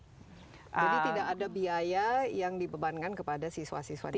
jadi tidak ada biaya yang dibebankan kepada siswa siswa di sini